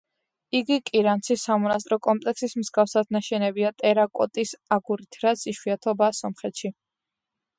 იგი კირანცის სამონასტრო კომპლექსის მსგავსად ნაშენებია ტერაკოტის აგურით, რაც იშვიათობაა სომხეთში.